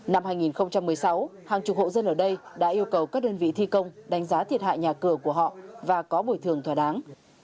năm hai nghìn một mươi sáu hàng chục hộ dân ở đây đã yêu cầu các đơn vị thi công đánh giá thiệt hại nhà cửa của họ và có bồi thường thỏa đáng